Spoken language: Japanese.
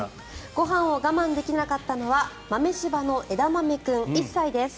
ご飯を我慢できなかったのは豆柴のえだまめ君、１歳です。